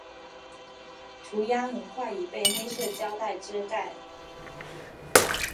涂鸦很快已被黑色胶袋遮盖。